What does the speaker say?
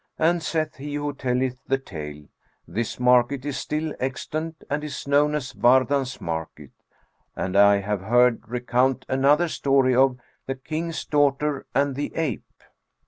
And (saith he who telleth the tale) "this market is still extant and is known as Wardan's Market." And I have heard recount another story of THE KING'S DAUGHTER AND THE APE.